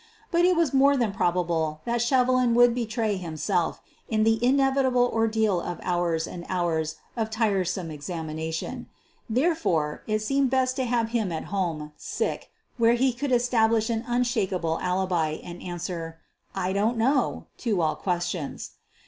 But it was more than probable that Shevelin would be tray himself in the inevitable ordeal of hours and hours of tiresome examination. Therefore, it seemed best to have him at home, sick, where he could establish an unshakable alibi and answer, "I don't know" to all questions.